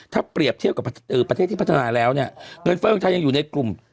ถ้าเปรียบเทียบกับประเทศที่พัฒนาแล้วเนี่ยเงินเฟ้อของไทยยังอยู่ในกลุ่ม